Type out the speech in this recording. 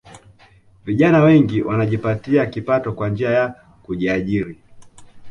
Vijana wengi wanajipatia kipato kwa njia ya kujiajiri